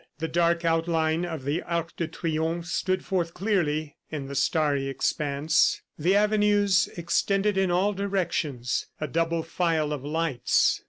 The dark outline of the Arc de Triomphe stood forth clearly in the starry expanse. The avenues extended in all directions, a double file of lights.